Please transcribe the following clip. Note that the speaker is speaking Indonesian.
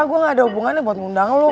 gue gak ada hubungannya buat ngundang lu